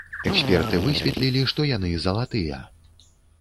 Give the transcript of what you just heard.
Эксперты высветлілі, што яны залатыя.